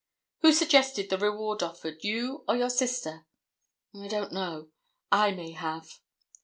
"Who suggested the reward offered, you or your sister?" "I don't know. I may have."